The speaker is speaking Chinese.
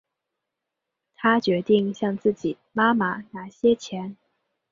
她决定向自己妈妈拿些钱